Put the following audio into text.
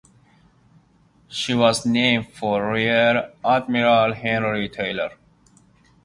She was named for Rear Admiral Henry Taylor.